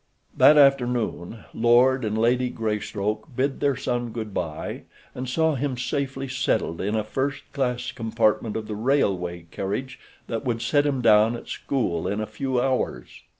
That afternoon Lord and Lady Greystoke bid their son good bye and saw him safely settled in a first class compartment of the railway carriage that would set him down at school in a few hours.